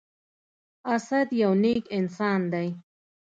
اسد يو نیک انسان دی.